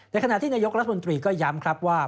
ขณะที่นายกรัฐมนตรีก็ย้ำครับว่า